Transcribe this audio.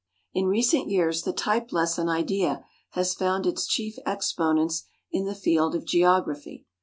In recent years the type lesson idea has found its chief exponents in the field of geography.